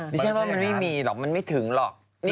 ดิฉันว่ามันไม่มีหรอกมันไม่ถึงหรอก